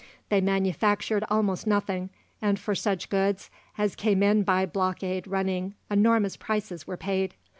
They manufactured almost nothing, and for such goods as came in by blockade running enormous prices were paid.